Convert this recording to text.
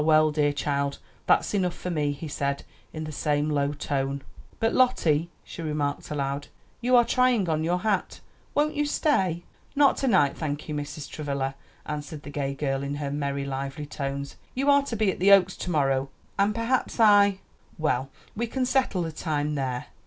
Well, dear child, that's enough for me," he said, in the same low tone. "But, Lottie," she remarked aloud, "you are tying on your hat. Won't you stay?" "Not to night, thank you, Mrs. Travilla," answered the gay girl in her merry, lively tones. "You are to be at the Oaks to morrow, and perhaps I well, we can settle the time there."